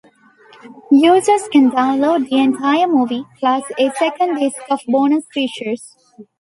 Users can download the entire movie, plus a second disc of bonus features.